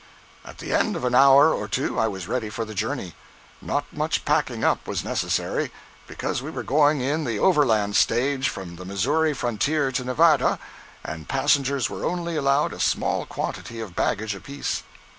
At the end of an hour or two I was ready for the journey. Not much packing up was necessary, because we were going in the overland stage from the Missouri frontier to Nevada, and passengers were only allowed a small quantity of baggage apiece.